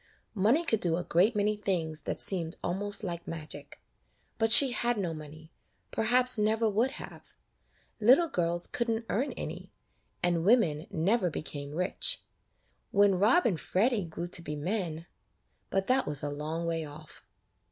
Money could do a great many things that seemed almost like magic ; but she had no money, perhaps never would have. Little girls could n't earn any, and women never became rich. When Rob and Freddy grew to be men — but that was a long way off.